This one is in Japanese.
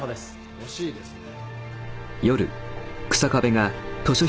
惜しいですね。